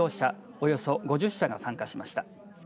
およそ５０社が参加しました。